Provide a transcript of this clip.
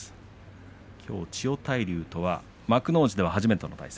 きょう、千代大龍とは幕内では初めての対戦。